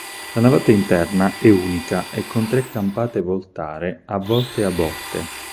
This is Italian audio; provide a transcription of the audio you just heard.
La navata interna è unica e con tre campate voltare a volte a botte.